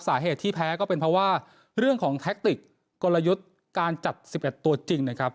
สาเหตุที่แพ้ก็เป็นเพราะว่าเรื่องของแท็กติกกลยุทธ์การจัด๑๑ตัวจริงนะครับ